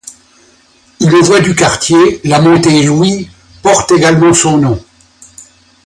Une voie du quartier, la montée Louis porte également son nom.